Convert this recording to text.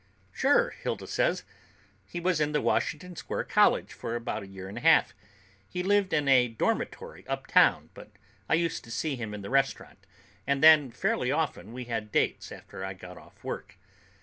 "Sure," Hilda says. "He was in the Washington Square College for about a year and a half. He lived in a dormitory uptown, but I used to see him in the restaurant, and then fairly often we had dates after I got off work.